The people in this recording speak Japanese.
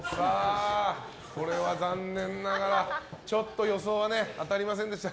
これは残念ながら予想は当たりませんでした。